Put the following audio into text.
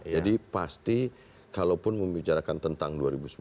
jadi pasti kalaupun membicarakan tentang dua ribu sembilan belas